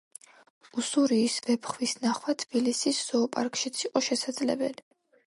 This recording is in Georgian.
უსურიის ვეფხვის ნახვა თბილისის ზოოპარკშიც იყო შესაძლებელი.